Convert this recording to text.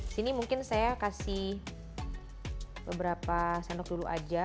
sini mungkin saya kasih beberapa sendok dulu aja